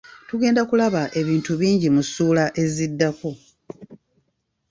Tugenda kulaba ebintu bingi mu ssuula eziddako.